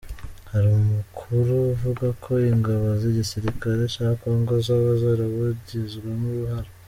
Hari amakuru avuga ko ingabo z'igisirikare ca Congo zoba zarabugizemwo uruhara.